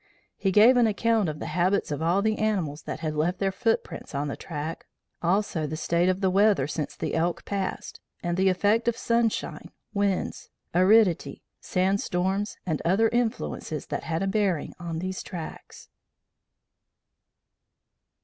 He gave an account of the habits of all the animals that had left their footprints on the track, also of the state of the weather since the elk passed, and the effect of sunshine, winds, aridity, sand storms, and other influences that had a bearing on these tracks."